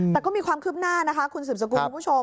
แต่ก็มีความคืบหน้านะคะคุณสืบสกุลคุณผู้ชม